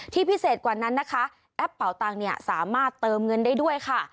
ที่พิเศษกว่านั้นนะคะแอปเปาตังสามารถเติมเงินได้ด้วยค่ะ